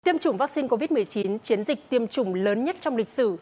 tiêm chủng vaccine covid một mươi chín chiến dịch tiêm chủng lớn nhất trong lịch sử